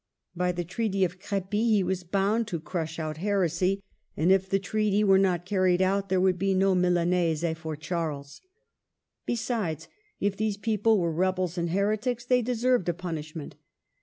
By the Treaty of Crepy he was bound to crush out heresy, and if the treaty were not carried out, there would be no Milan ese for Charles. Besides, if these people were rebels and heretics, they deserved a punish ment.